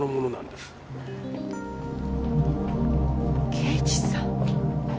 刑事さん？